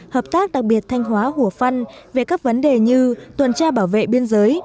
hợp tác đặc biệt thanh hóa hùa phân về các vấn đề như tuần tra bảo vệ biên giới